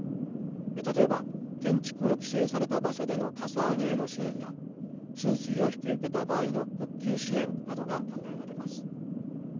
例えば建築を規制された場所でのかさ上げへの支援や浸水を引き受けた場合の復旧支援などが考えられます。